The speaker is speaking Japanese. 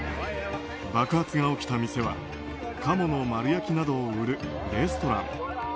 爆発が起きた店は鴨の丸焼きなどを売るレストラン。